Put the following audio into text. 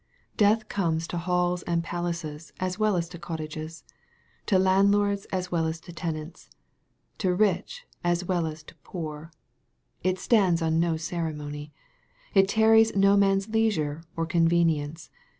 Death comes to halls and palaces, as well as to cottages to landlords as well as to tenants to rich as well as to poor. It stands on no ceremony. Tt tarries no man's leisure or convenience.